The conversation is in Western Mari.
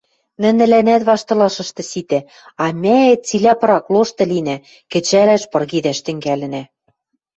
Нӹнӹлӓнӓт ваштылашышты ситӓ, а мӓэт цилӓ пырак лошты линӓ, кӹчалӓш, пыргедӓш тӹнгӓлӹнӓ.